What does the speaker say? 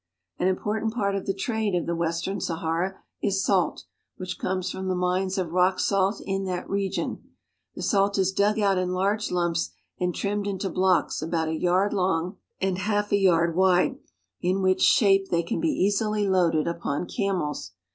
An important part of the trade of the western Sahara is salt, which comes from the mines of rock salt in that region. The salt is dug out in large lumps and trimmed into blocks about a yard long and half a yard wide, in which shape they can be easily loaded upon camels.